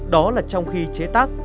đó là trong khi chế tác